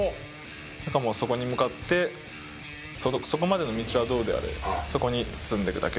だからもうそこに向かってそこまでの道はどうであれそこに進んでいくだけっていう思いで今います。